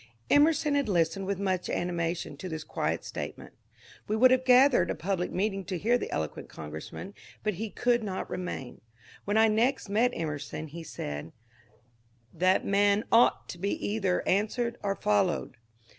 Emerson had listened with much animation to this quiet statement We would have gathered a public meeting to hear the eloquent congressman, but he could not remain. When I next met Emerson he said, That man ought to be either an swered or followed."